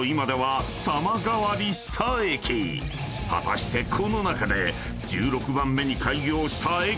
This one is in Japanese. ［果たしてこの中で１６番目に開業した駅は？］